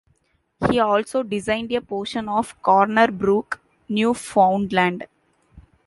He also designed a portion of Corner Brook, Newfoundland.